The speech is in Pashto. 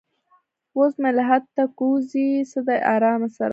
اوس مې لحد ته کوزوي څه د ارامه سره